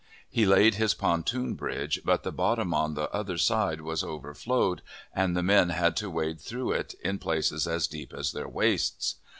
He laid his pontoon bridge, but the bottom on the other side was overflowed, and the men had to wade through it, in places as deep as their waists.